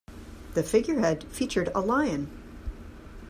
The figurehead featured a lion.